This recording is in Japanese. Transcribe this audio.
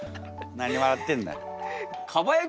何笑ってんだよ。